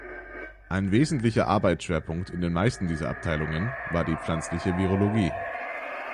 Ein wesentlicher Arbeitsschwerpunkt in den meisten dieser Abteilungen war die pflanzliche Virologie.